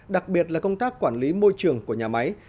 đặc biệt là công tác quản lý môi trường của nhà máy